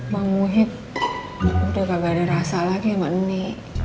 bang muhyidd udah gak ada rasa lagi mak neni